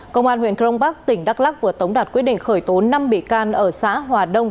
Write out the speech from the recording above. công an huyện crong bắc tỉnh đắk lắc vừa tống đạt quyết định khởi tố năm bị can ở xã hòa đông